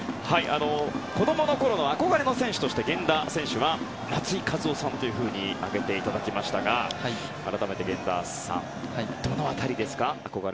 子供のころの憧れの選手として源田選手は松井稼頭央さんと挙げていただきましたが改めて、源田さんどの辺りですか？